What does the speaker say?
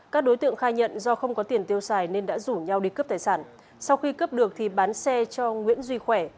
các đối tượng đã rủ nhau đi cướp tài sản sau khi cướp được thì bán xe cho nguyễn duy khỏe